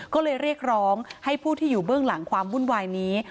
ก็เลยเรียกร้องให้ผู้ที่อยู่เบื้องหลังความวุ่นวายนี้